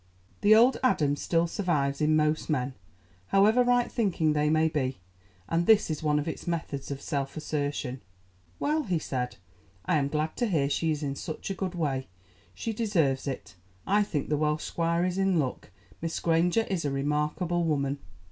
The old Adam still survives in most men, however right thinking they may be, and this is one of its methods of self assertion. "Well," he said, "I am glad to hear she is in such a good way; she deserves it. I think the Welsh squire is in luck; Miss Granger is a remarkable woman."